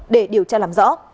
để điều tra làm rõ